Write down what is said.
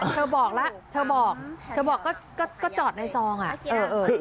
เธอบอกแล้วเธอบอกเธอบอกก็จอดในซองอ่ะ